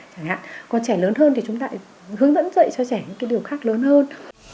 chẳng hạn còn trẻ lớn hơn thì chúng ta lại hướng dẫn dạy cho trẻ những cái điều khác lớn hơn